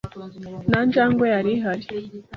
Nta njangwe yari ihari.